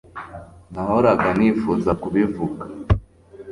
nahoraga nifuza kubivuga